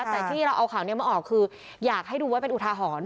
แต่ที่เราเอาข่าวนี้มาออกคืออยากให้ดูไว้เป็นอุทาหรณ์